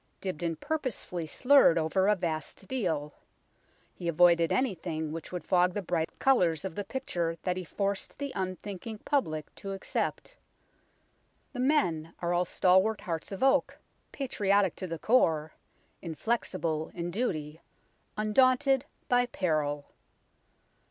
Dibdin purposely slurred over a vast deal. He avoided anything which would fog the bright colours of the picture that he forced the unthinking public to accept. The men are all stalwart hearts of oak, patriotic to the core, inflexible in duty, undaunted by peril.